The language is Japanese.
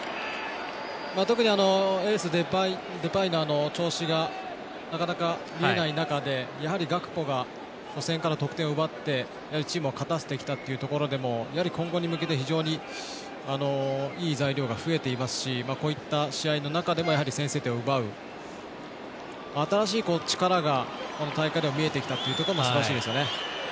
特にエースデパイの調子がなかなか出ない中でやはりガクポが初戦から得点を奪ってチームを勝たせてきたというところでも今後に向けて非常にいい材料が増えていますしこういった試合の中でも先制点を奪う新しい力が、この大会では見えてきたというところがすばらしいですよね。